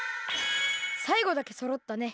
さいごだけそろったね！